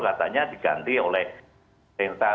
katanya diganti oleh pemerintah